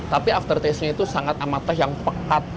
tapi after taste nya itu sangat amateh yang pekat